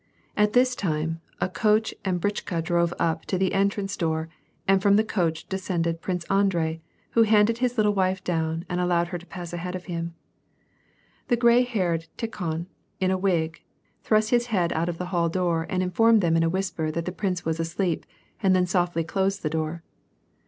At this time, a coach and a britchka drove up to the entrance door and from the coach descended Prince Andrei, who handed his little wife down and allowed her to pass aliead of him. The gray haired Tikhon, in a wig, thrust his head out of the hall door and infonned them in a whisper that the prince was asleep and tlien softly closed the door.